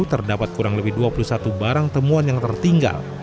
terdapat kurang lebih dua puluh satu barang temuan yang tertinggal